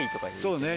そうね